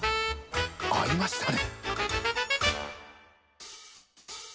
あいましたね。